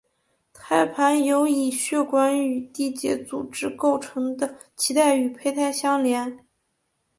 胎盘由以血管与结缔组织构成的脐带与胚胎相连。